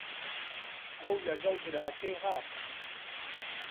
ئەو لەگەڵ براکەی هات.